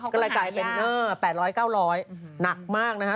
ก็เลยกลายเป็น๘๐๐๙๐๐หนักมากนะคะ